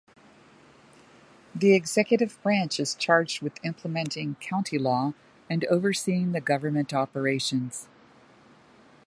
The executive branch is charged with implementing County law and overseeing the government operations.